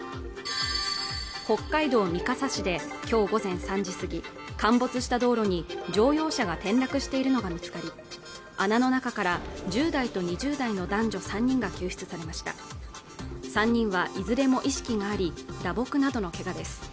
北海道三笠市できょう午前３時過ぎ陥没した道路に乗用車が転落しているのが見つかり穴の中から１０代と２０代の男女３人が救出されました３人はいずれも意識があり打撲などのけがです